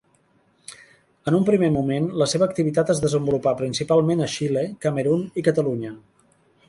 En un primer moment, la seva activitat es desenvolupà principalment a Xile, Camerun i Catalunya.